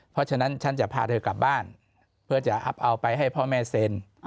เพราะฉะนั้นฉันจะพาเธอกลับบ้านเพื่อจะเอาไปให้พ่อแม่เซ็น